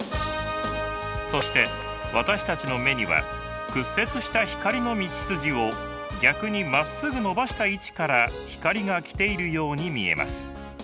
そして私たちの目には屈折した光の道筋を逆にまっすぐのばした位置から光が来ているように見えます。